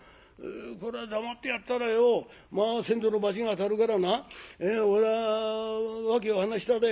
「そりゃ黙ってやったらよ先祖の罰が当たるからなおら訳を話しただよ。